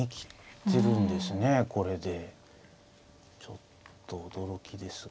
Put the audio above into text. ちょっと驚きですが。